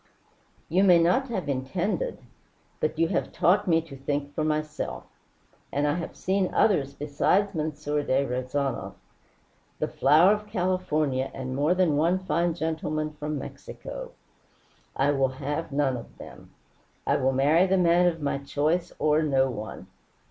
"You may not have intended but you have taught me to think for myself. And I have seen others besides M. de Rezanov the flower of California and more than one fine gentleman from Mexico. I will have none of them. I will marry the man of my choice or no one.